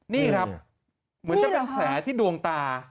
นี่ครับเหมือนจะเป็นแผลที่ดวงตา